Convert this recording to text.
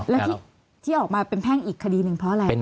แล้วที่ออกมาเป็นแพ่งอีกคดีหนึ่งเพราะอะไร